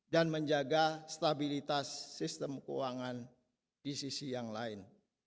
dan menjaga stabilitas sistem keuangan di sisi yang lain